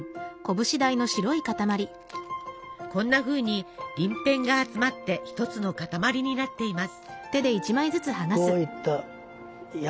こんなふうに鱗片が集まって１つの塊になっています。